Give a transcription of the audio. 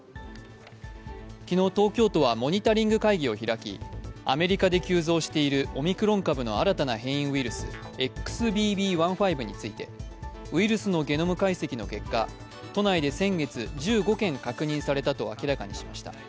昨日、東京都はモニタリング会議を開きアメリカで急増しているオミクロン株の新たな変異ウイルスＸＢＢ．１．５についてウイルスのゲノム解析の結果、都内で先月、１５件確認されたと明らかにしました。